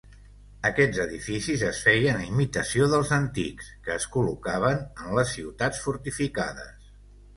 Aquests edificis es feien a imitació dels antics, que es col·locaven en les ciutats fortificades.